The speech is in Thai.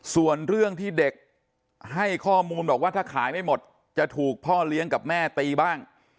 ส่วนเรื่องที่เด็กให้ข้อมูลบอกว่าถ้าขายไม่หมดจะถูกพ่อเลี้ยงกับแม่ตีบ้าง